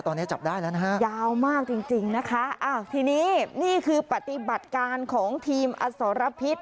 นี่คือปฏิบัติการของทีมอสรพิษ